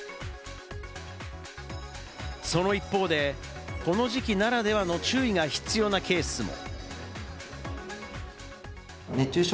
その一方で、この時期ならではの注意が必要なケースも。